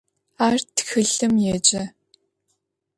Ар тхылъым еджэ.